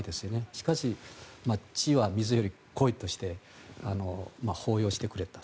しかし血は水より濃いとして抱擁してくれた。